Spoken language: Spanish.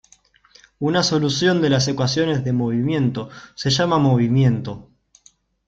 Una solución de las ecuaciones de movimiento se llama "movimiento".